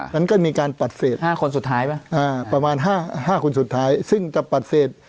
นั้นก็มีการปัดเศษประมาณ๕คนสุดท้ายซึ่งจะปัดเศษ